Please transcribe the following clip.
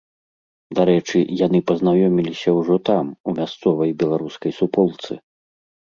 Дарэчы, яны пазнаёміліся ўжо там, у мясцовай беларускай суполцы.